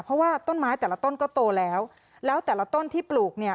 เพราะว่าต้นไม้แต่ละต้นก็โตแล้วแล้วแต่ละต้นที่ปลูกเนี่ย